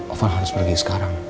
ovan harus pergi sekarang